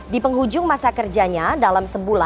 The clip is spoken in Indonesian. di penghujung masa kerjanya dalam sebulan